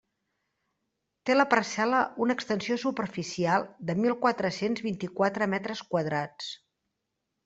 Té la parcel·la una extensió superficial de mil quatre-cents vint-i-quatre metres quadrats.